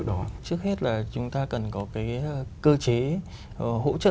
v tend n pregunta là sau đó là chúng ta có kế hoạch gì để thu hút sự đầu tư của các nợ đó